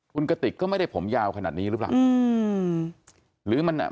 คุณกติกก็ไม่ได้ผมยาวขนาดนี้หรือเปล่า